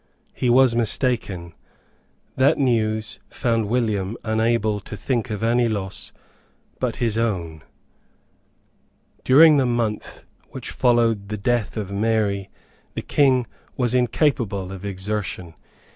He was mistaken. That news found William unable to think of any loss but his own. During the month which followed the death of Mary the King was incapable of exertion.